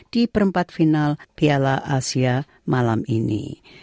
di perempat final piala asia malam ini